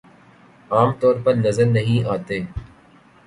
عام طور پر نظر نہیں آتے